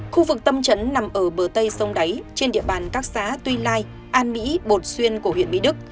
khu vực tâm trấn nằm ở bờ tây sông đáy trên địa bàn các xã tuy lai an mỹ bột xuyên của huyện mỹ đức